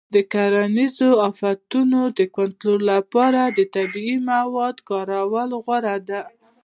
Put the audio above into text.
د کرنیزو آفتونو د کنټرول لپاره د طبیعي موادو کارول غوره دي.